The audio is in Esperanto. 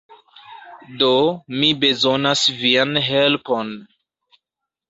Do, mi bezonas vian helpon.